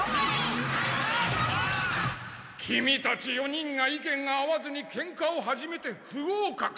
キミたち４人が意見が合わずにケンカを始めて不合格。